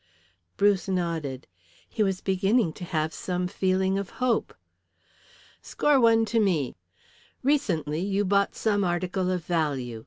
Bruce nodded. He was beginning to have some feeling of hope. "Score one to me. Recently you bought some article of value.